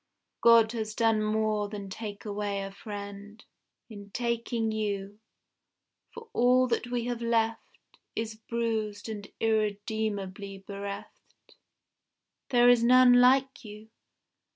God has done more than take away a friend In taking you; for all that we have left Is bruised and irremediably bereft. There is none like you.